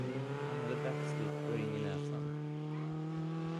Han hade backslick och ring i näsan.